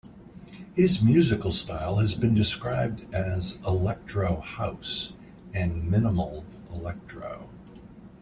His musical style has been described as electro house and minimal electro.